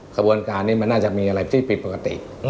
ขบวนการนี้มันน่าจะมีอะไรที่ผิดปกติ